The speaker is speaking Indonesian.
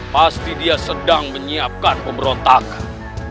pasti dia sedang menyiapkan pemberontakan